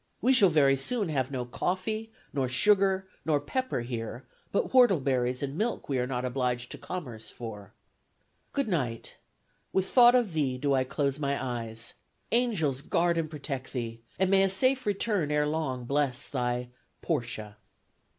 We shall very soon have no coffee, nor sugar, nor pepper, here; but whortleberries and milk we are not obliged to commerce for. ... Good night. With thought of thee do I close my eyes. Angels guard and protect thee; and may a safe return ere long bless thy "PORTIA."